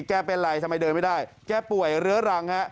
แกเป็นไรทำไมเดินไม่ได้แกป่วยเรื้อรังฮะ